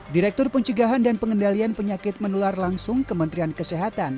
direktur pencegahan dan pengendalian penyakit menular langsung kementerian kesehatan